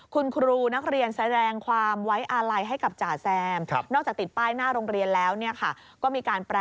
คุณครูนักเรียนแสดงความไว้อะไลให้กับจาแซม